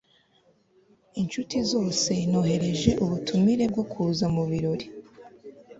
inshuti zose nohereje ubutumire bwo kuza mubirori